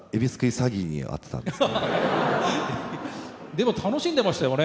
でも楽しんでましたよね？